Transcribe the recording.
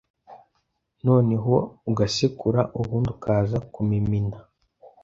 noneho ugasekura ubundi ukaza kumimina.